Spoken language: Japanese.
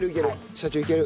社長いける。